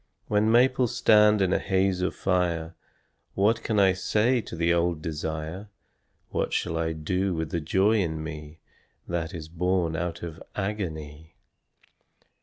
When maples stand in a haze of fire What can I say to the old desire, What shall I do with the joy in me That is born out of agony?